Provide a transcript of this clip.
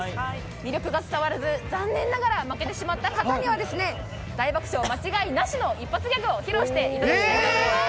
魅力が伝わらず残念ながら負けてしまった方には大爆笑間違いなしの一発ギャグを披露していただきます。